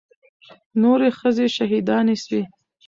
نورې ښځې شهيدانې سوې.